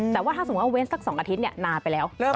แต่ว่าถ้าสมมุติว่าเว้นสัก๒อาทิตย์นานไปแล้ว